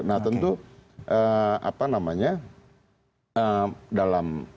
nah tentu apa namanya dalam